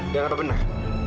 yang apa benar